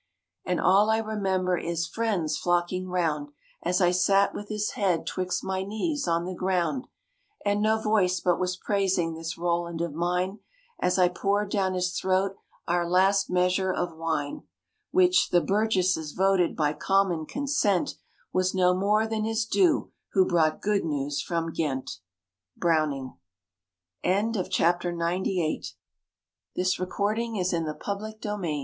And all I remember is, friends flocking round, As I sat with his head 'twixt my knees on the ground; And no voice but was praising this Roland of mine, As I poured down his throat our last measure of wine, Which (the burgesses voted by common consent) Was no more than his due who brought good news from Ghent. Browning AN INCIDENT OF THE FRENCH CAMP You know, we French stormed Ratisbon: A